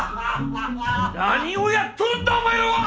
何をやっとるんだお前らは！